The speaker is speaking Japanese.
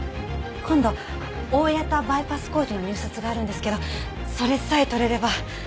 今度大谷田バイパス工事の入札があるんですけどそれさえ取れれば